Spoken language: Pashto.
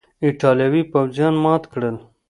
ایټالوي پوځیان مات کړل.